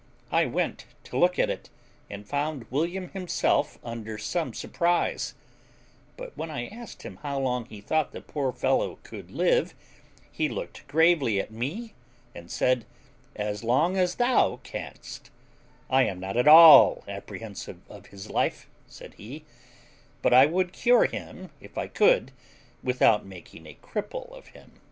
I went to look at it, and found William himself under some surprise; but when I asked him how long he thought the poor fellow could live, he looked gravely at me, and said, "As long as thou canst; I am not at all apprehensive of his life," said he, "but I would cure him, if I could, without making a cripple of him."